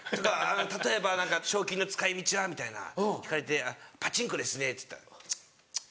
例えば「賞金の使い道は？」みたいな聞かれて「パチンコですね」っつったら「チッチッ」。